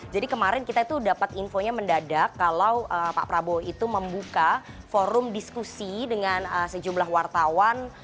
jadi kemarin kita itu dapat infonya mendadak kalau pak prabowo itu membuka forum diskusi dengan sejumlah wartawan